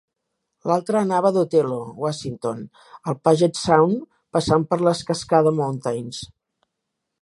L'altre anava d'Othello, Washington, al Puget Sound, passant per les Cascade Mountains.